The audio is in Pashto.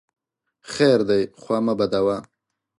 خیر دی خوا مه بدوه !